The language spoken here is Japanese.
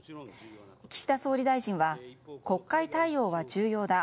岸田総理大臣は国会対応は重要だ。